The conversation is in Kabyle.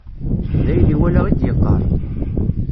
D ayen iwala i d-yeqqaṛ.